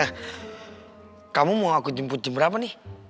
eh kamu mau aku jemput jam berapa nih